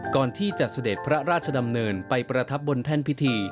ก่อนที่จะเสด็จพระราชดำเนินไปประทับบนแท่นพิธี